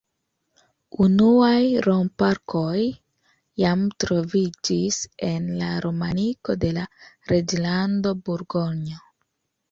Unuaj romp-arkoj jam troviĝis en la romaniko de la Reĝlando Burgonjo.